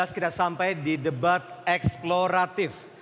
kita sampai di debat eksploratif